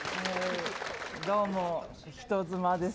どうも、人妻です。